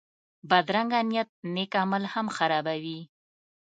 بدرنګه نیت نېک عمل هم خرابوي